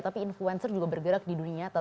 tapi influencer juga bergerak di dunia